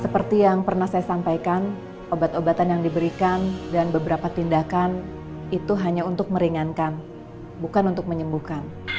seperti yang pernah saya sampaikan obat obatan yang diberikan dan beberapa tindakan itu hanya untuk meringankan bukan untuk menyembuhkan